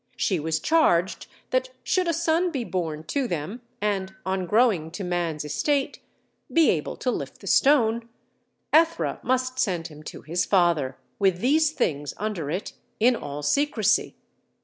She was charged that should a son be born to them and, on growing to man's estate, be able to lift the stone, Æthra must send him to his father, with these things under it, in all secrecy.